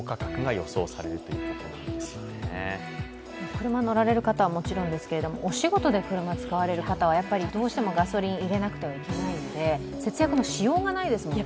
車乗られる方はもちろんですけどお仕事で車を使われる方は、どうしてもガソリンを入れなくてはいけないので、節約のしようがないですもんね。